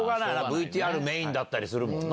ＶＴＲメインだったりするもんな。